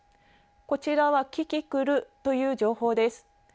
こちらはキキクルという情報です。